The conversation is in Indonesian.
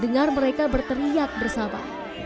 dengar mereka berteriak bersama